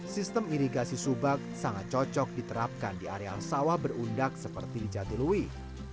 sistem irigasi subah sangat cocok diterapkan di area sawah berundak seperti jatiluih